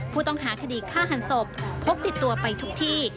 ผู้ต้องหาคดีฆ่าหันศพพกติดตัวไปทุกที่